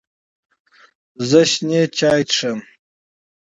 زه شین چای څښم